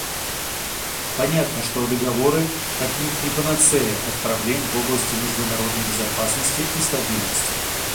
Понятно, что договоры — отнюдь не панацея от проблем в области международной безопасности и стабильности.